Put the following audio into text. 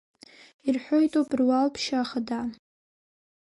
Ирҳәоитоуп руал-ԥшьа ахада.